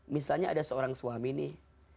misalnya ada seorang suami nih